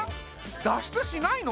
脱出しないの？